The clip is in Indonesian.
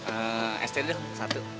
eh es teh dulu satu